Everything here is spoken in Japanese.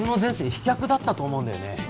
飛脚だったと思うんだよね